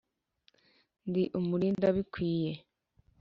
Ndi umulinda abikwiye,